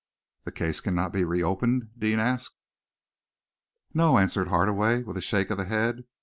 "The case cannot be reopened?" Deane asked. "No!" answered Hardaway, with a shake of the head.